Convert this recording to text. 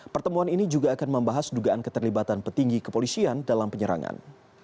pertemuan ini juga akan membahas dugaan keterlibatan petinggi kepolisian dalam penyerangan